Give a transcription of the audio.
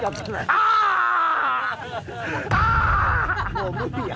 もう無理や。